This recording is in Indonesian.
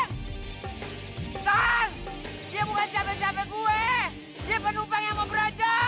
lu kan buang buntingin gue repot